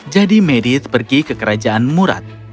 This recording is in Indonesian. jadi medivh pergi ke kerajaan murad